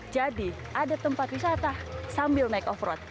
jadi ada tempat wisata sambil naik off road